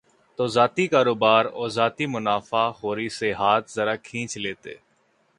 تو ذاتی کاروبار اور ذاتی منافع خوری سے ہاتھ ذرا کھینچ لیتے۔